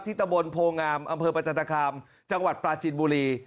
ตะบนโพงามอำเภอประจันตคามจังหวัดปลาจินบุรี